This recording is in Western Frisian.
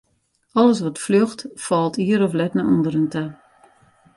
Alles wat fljocht, falt ier of let nei ûnderen ta.